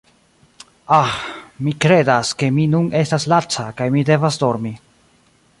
Ah, mi kredas ke mi nun estas laca kaj mi devas dormi